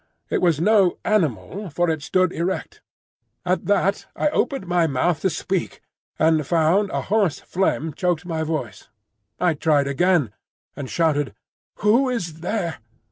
It was no animal, for it stood erect. At that I opened my mouth to speak, and found a hoarse phlegm choked my voice. I tried again, and shouted, "Who is there?"